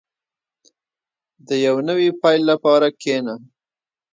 • د یو نوي پیل لپاره کښېنه.